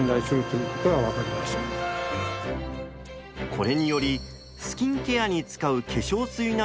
これによりスキンケアに使う化粧水などを開発。